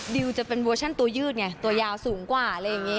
ดิวจะเป็นเวอร์ชั่นตัวยืดไงตัวยาวสูงกว่าอะไรอย่างนี้